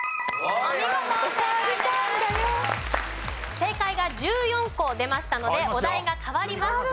正解が１４個出ましたのでお題が変わります。